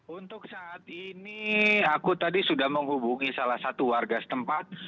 untuk saat ini aku tadi sudah menghubungi salah satu warga setempat